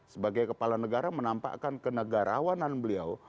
sebagai kepala negara menampakkan kenegarawanan beliau